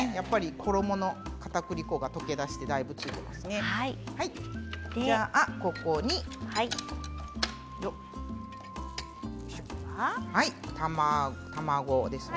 衣のかたくり粉がだいぶ溶け出してついていますね。